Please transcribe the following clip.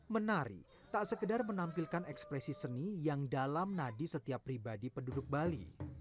menari tak sekedar menampilkan ekspresi seni yang dalam nadi setiap pribadi penduduk bali